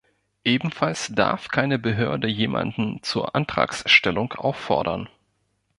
Ebenfalls darf keine Behörde jemanden zur Antragsstellung auffordern.